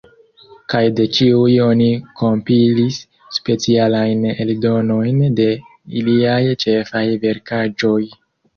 Kaj de ĉiuj oni kompilis specialajn eldonojn de iliaj ĉefaj verkaĵoj.